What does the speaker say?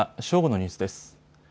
正午のニュースです。